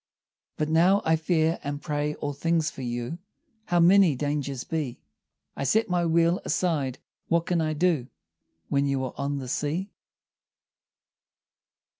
But now I fear and pray all things for you, How many dangers be! I set my wheel aside, what can I do When you are on the sea?